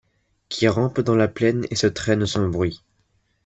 Qui rampent dans la plaine et se traînent sans bruit ;